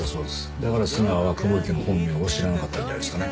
だから須川は久保池の本名を知らなかったんじゃないですかね。